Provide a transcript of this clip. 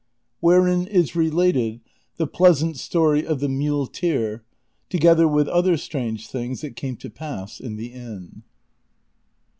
WHEREIX IS RELATED THE PLEASANT STORY O'F THE MULE TEER, TOGETHER WITH OTHER STRANGE THINGS THAT CAME TO PASS IN THE INN.